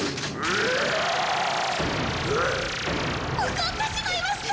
怒ってしまいました。